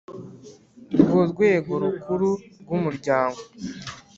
rwo rwego rukuru rw umuryango